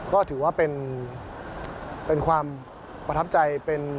ก็ถือว่าเป็นความประทับใจ